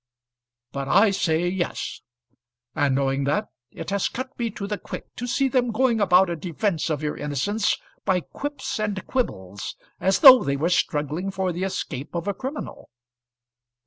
"But I say yes; and knowing that, it has cut me to the quick to see them going about a defence of your innocence by quips and quibbles, as though they were struggling for the escape of a criminal."